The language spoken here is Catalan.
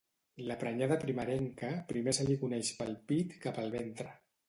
La prenyada primerenca primer se li coneix pel pit que pel ventre.